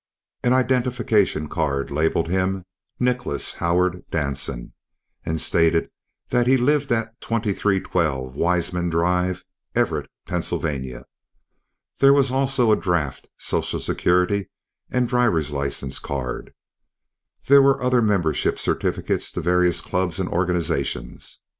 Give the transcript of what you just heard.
An identification card labeled him Nicholas Howard Danson and stated that he lived at 2312 Weisman Drive, Everett, Pennsylvania. There was also a draft, social security and drivers license card. The others were membership certificates to various clubs and organizations.